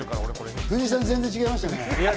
藤井さん、全然違いましたね。